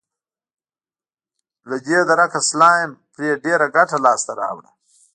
له دې درکه سلایم پرې ډېره ګټه لاسته راوړه.